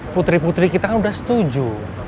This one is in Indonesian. putri putri kita kan sudah setuju